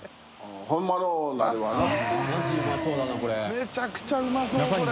めちゃくちゃうまそうこれ。